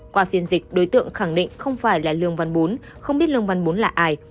qua phiên dịch đối tượng khẳng định không phải là lương văn bốn không biết lương văn bốn là ai